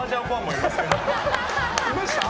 いました？